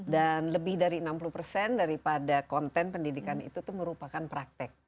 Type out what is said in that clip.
lebih dari enam puluh persen daripada konten pendidikan itu merupakan praktek